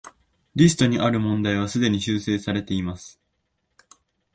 リストにある問題はすでに修正されています